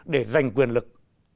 để giành quyền lực